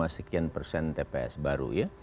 lima sekian persen tps baru ya